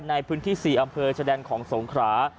ในพื้นที่๔อำเภอชะแดนของสงขรา